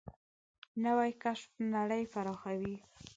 نوې کشف نړۍ پراخوي